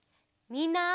みんな！